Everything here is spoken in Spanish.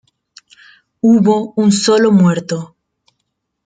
Hubo un solo muerto.